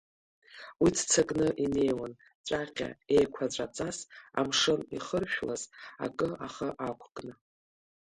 Уи ццакны инеиуан ҵәаҟьа еиқәаҵәаҵас амшын ихыршәлаз акы ахы ақәкны.